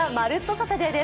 サタデー」です。